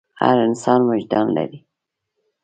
هر انسان وجدان لري.